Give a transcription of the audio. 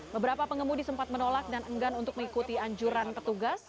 beberapa pengemudi sempat menolak dan enggan untuk mengikuti anjuran petugas